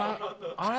あれ？